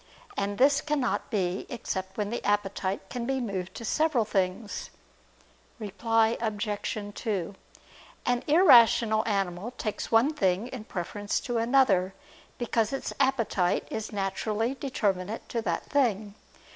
And this cannot be except when the appetite can be moved to several things. Reply Obj. 2: An irrational animal takes one thing in preference to another, because its appetite is naturally determinate to that thing.